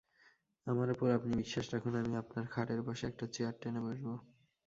আমার ওপর আপনি বিশ্বাস রাখুন, আমি আপনার খাটের পাশে একটা চেয়ার টেনে বসব।